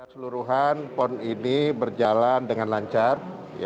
seluruhan pon ini berjalan dengan lancar